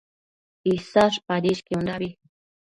Isash padishquiondabi